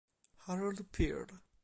Harold Pearl